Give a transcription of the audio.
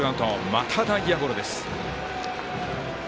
また内野ゴロです。